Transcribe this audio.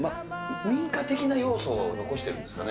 民家的な要素を残しているんですかね。